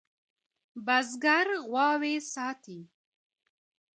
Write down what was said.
بزگر غواوې ساتي.